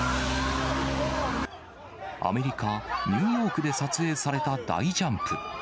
アメリカ・ニューヨークで撮影された大ジャンプ。